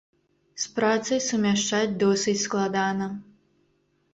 З працай сумяшчаць досыць складана.